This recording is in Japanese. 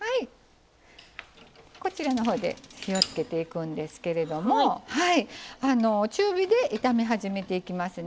こちらのほうで火をつけていくんですけれども中火で炒め始めていきますね。